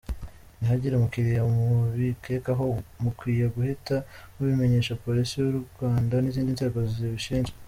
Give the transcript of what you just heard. Nihagira umukiriya mubikekaho ; mukwiye guhita mubimenyesha Polisi y’u Rwanda n’izindi nzego zibishinzwe."